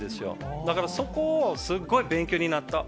だからそこをすっごい勉強になった。